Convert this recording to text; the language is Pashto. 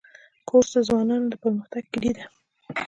کورس د ځوانانو د پرمختګ کلۍ ده.